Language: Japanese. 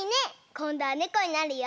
こんどはねこになるよ。